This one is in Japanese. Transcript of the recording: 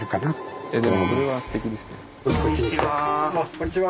こんにちは。